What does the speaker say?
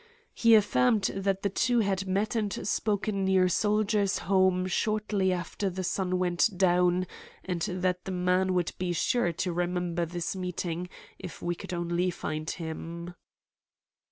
He affirmed that the two had met and spoken near Soldiers' Home shortly after the sun went down, and that the man would be sure to remember this meeting if we could only find him.